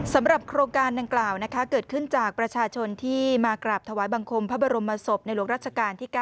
สำหรับโครงการดังกล่าวเกิดขึ้นจากประชาชนที่มากราบถวายบังคมพระบรมศพในหลวงรัชกาลที่๙